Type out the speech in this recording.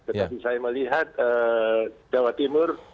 tetapi saya melihat jawa timur